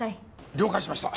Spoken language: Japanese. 了解しました。